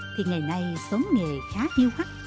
thì ngày nay xóm nghề khá tiêu khắc